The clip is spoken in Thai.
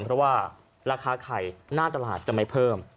เพราะว่าราคาไข่หน้าตลาดจะไม่เพิ่ม